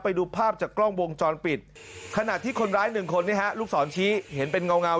ไปดูภาพจากกล้องวงจรปิดขณะที่คนร้ายหนึ่งคนลูกศรชี้เห็นเป็นเงา